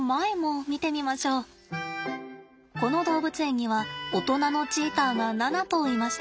この動物園にはおとなのチーターが７頭いました。